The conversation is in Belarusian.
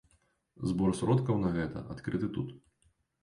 Збор сродкаў на гэта адкрыты тут.